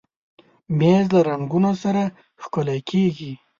مېز له رنګونو سره ښکلی کېږي.